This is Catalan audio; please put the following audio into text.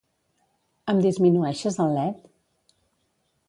Em disminueixes el led?